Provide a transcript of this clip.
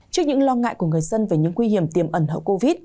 trước những lo ngại của người dân về những nguy hiểm tiếp theo